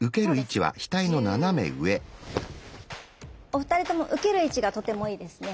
お二人とも受ける位置がとてもいいですね。